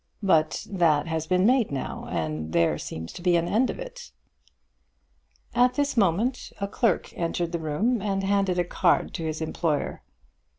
But that has been made now, and there seems to be an end of it." At this moment a clerk entered the room and handed a card to his employer.